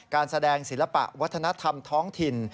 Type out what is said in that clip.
การแสดงศิลปะวัฒนธรรมท้องถิ่น